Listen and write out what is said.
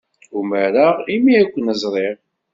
Umareɣ imi ay ken-ẓriɣ.